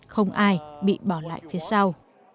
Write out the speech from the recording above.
không ai bị bỏ lại phía sau